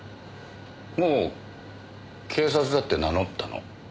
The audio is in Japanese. もう警察だって名乗ったの？